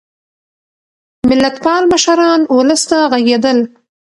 ملتپال مشران ولس ته غږېدل.